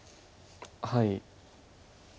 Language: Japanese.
はい。